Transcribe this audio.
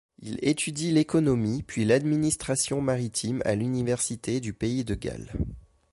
Il étudie l'économie, puis l'administration maritime à l'université du pays de Galles.